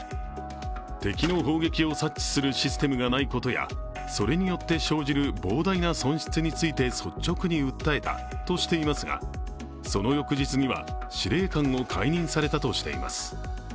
敵の砲撃を察知するシステムがないことや、それによって生じる膨大な損失について率直に訴えたとしていますが、その翌日には司令官を解任されたとしています。